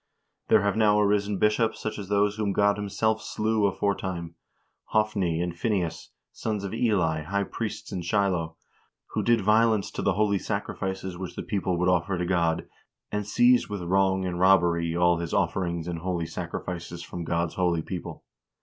There have now arisen bishops such as those whom God himself slew aforetime, Hophni and Phineas, sons of Eli, high priest in Shiloh, who did violence to the holy sacrifices which the people would offer to God, and seized with wrong and robbery all His offerings and holy sacrifices from God's holy people.